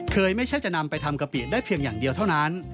ไม่ใช่จะนำไปทำกะปิได้เพียงอย่างเดียวเท่านั้น